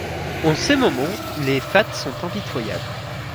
En ces moments, les Fats sont impitoyables.